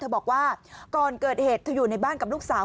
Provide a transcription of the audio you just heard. บอกว่าก่อนเกิดเหตุเธออยู่ในบ้านกับลูกสาว